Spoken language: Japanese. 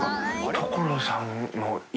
所さんの家？